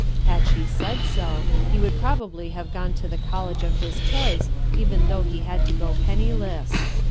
Had she said go, he would probably have gone to the college of his choice even though he had to go penniless.